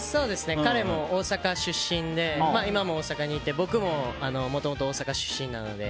彼も大阪出身で今も大阪にいて僕も元々大阪出身なので。